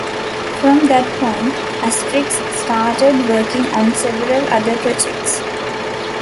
From that point, Astrix started working on several other projects.